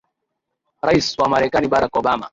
rais wa marekani barack obama